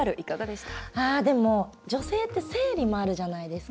でも、女性って生理もあるじゃないですか。